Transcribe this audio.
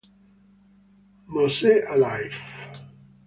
Mose Alive!